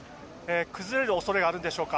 崩れる恐れがあるんでしょうか。